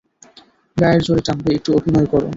গায়ের জোরে টানবে, একটু অভিনয় করে।